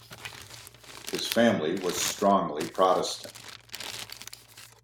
His family was strongly Protestant.